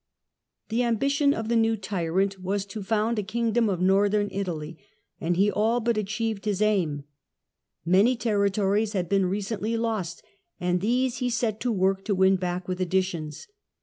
The ambition of the new tyrant was to found a Policy of Kingdom of Northern Italy, and he all but achieved azzo his aim. Many territories had been recently lost, and these he set to work to win back with additions.